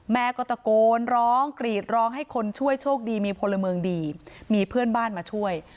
แม่ก็ตะโกนร้องกรีดร้องให้คนช่วยโชคดีมีพลเมืองดีมีเพื่อนบ้านมาช่วย